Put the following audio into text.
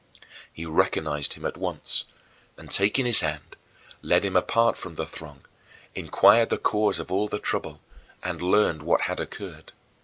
He recognized him at once and, taking his hand, led him apart from the throng, inquired the cause of all the trouble, and learned what had occurred.